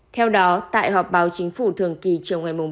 theo đó tại họp báo chính phủ thường kỳ chiều ngày bốn năm